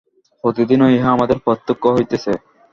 প্রতিদিনই ইহা আমাদের প্রত্যক্ষ হইতেছে।